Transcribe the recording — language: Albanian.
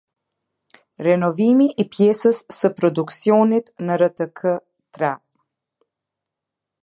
Renovimi i pjesës së produksionit në rtk-tre